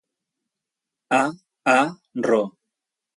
A. A. Ro.